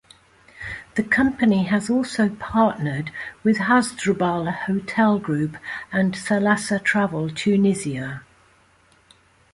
The company has also partnered with Hasdrubal Hotel Group and Thalassa Travel Tunisia.